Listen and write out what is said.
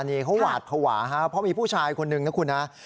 นี่เขาหวาดภาวะครับเพราะมีผู้ชายคนหนึ่งนะคุณฮะ